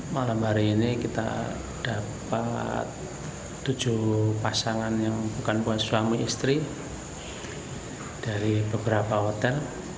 malam hari ini kita dapat tujuh pasangan yang bukan suami istri dari beberapa hotel